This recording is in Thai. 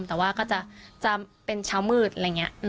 แต่ว่าก็จะเป็นเช้ามืดอะไรอย่างนี้